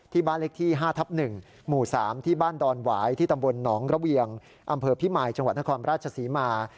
บ้านเลขที่๕ทับ๑หมู่๓ที่บ้านดอนหวายที่ตำบลหนองระเวียงอำเภอพิมายจังหวัดนครราชศรีมา